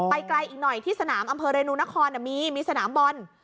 ไกลอีกหน่อยที่สนามอำเภอเรนูนครมีสนามบอล